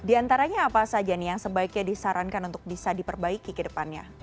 di antaranya apa saja nih yang sebaiknya disarankan untuk bisa diperbaiki ke depannya